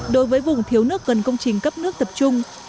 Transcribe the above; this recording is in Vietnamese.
đối với vùng thiếu nước gần công trình cấp nước tập trung